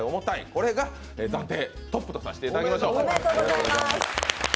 これが暫定トップとさせていただきましょう。